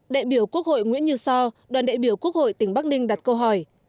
đại biểu quốc hội nguyễn như so đoàn đại biểu quốc hội tỉnh bắc ninh đặt câu hỏi